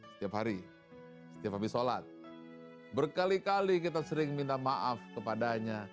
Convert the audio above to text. setiap hari setiap habis sholat berkali kali kita sering minta maaf kepadanya